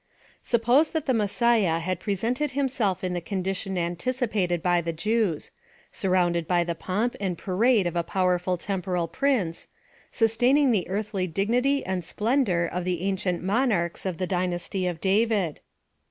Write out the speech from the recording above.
* Suppose that the Messiah had presented himself in the condition anticipated by the Jews : surround ed by the pomp and parade of a powerful temporal prince ; sustaining the earthly dignity and splendor of the ancient monarchs of the dynasty of David.